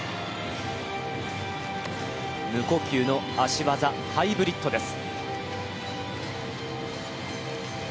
無呼吸の足技ハイブリッドです。